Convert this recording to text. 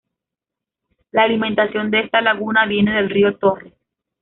La alimentación de esta laguna viene del río Torres.